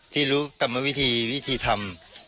ที่รู้กรรมวิธีวิธีทำ